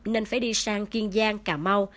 nên phải đi sang kiên giang cà mau